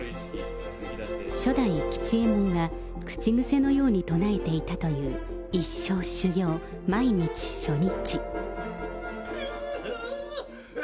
初代吉右衛門が口癖のように唱えていたという、一生修業、毎日初日。